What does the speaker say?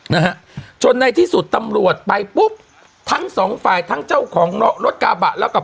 นะฮะจนในที่สุดตำรวจไปปุ๊บทั้งสองฝ่ายทั้งเจ้าของรถกระบะแล้วกับ